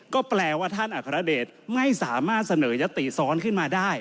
ก็แปลว่าท่านอัครเดชไม่สามารถเสนอยติซ้อนขึ้นมาได้